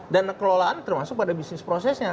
dan kelolaan termasuk pada bisnis prosesnya